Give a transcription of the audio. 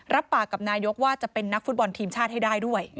รับปากกับนายกว่าจะเป็นนักฟุตบอลทีมชาติให้ได้ด้วย